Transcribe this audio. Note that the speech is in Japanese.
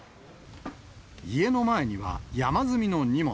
家の前には、山積みの荷物。